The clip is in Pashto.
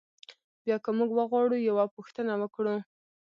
بیا که موږ وغواړو یوه پوښتنه وکړو.